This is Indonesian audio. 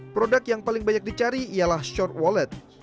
produk yang paling banyak dicari ialah short wallet